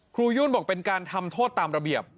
ยุ่นบอกเป็นการทำโทษตามระเบียบ